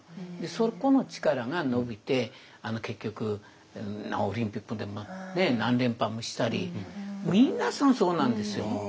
そこの力が伸びて結局オリンピックでも何連覇もしたり皆さんそうなんですよ。